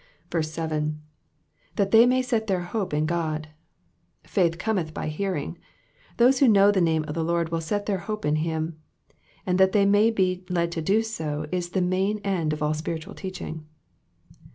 7. ''''That they might set their hope in Ood,''^ Faith cometh by hearing. Those who know the name of the Lord will set their hope in him, and that they may be led to do so is the main end of all spiritual teaching.